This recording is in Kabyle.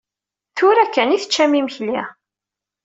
Tura kan i teččam imekli.